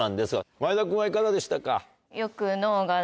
前田君はいかがでしたか？